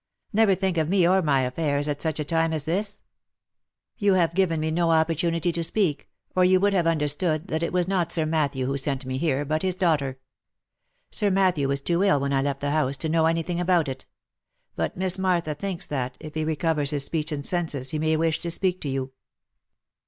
" Never think of me or my affairs, at such a time as this. You have given me no OF MICHAEL ARMSTRONG. 359 opportunity to speak, or you would have understood that it was not Sir Matthew who sent me here, but his daughter. Sir Matthew was too ill, when I left the house, to know any thing about it; but Miss Martha thinks that, if he recovers his speech and senses, he may wish to speak to you."